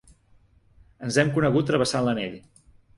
Ens hem conegut travessant l’anell.